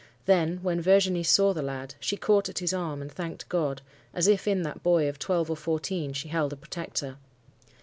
Then, when Virginie saw the lad, she caught at his arm, and thanked God, as if in that boy of twelve or fourteen she held a protector.